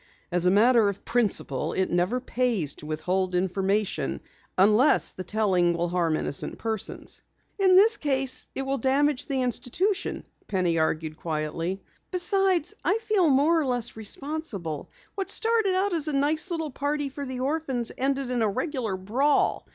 "As a matter of principle, it never pays to withhold information unless the telling will harm innocent persons." "In this case, it will damage the institution," Penny argued quietly. "Besides, I feel more or less responsible. What started out as a nice little party for the orphans, ended in a regular brawl.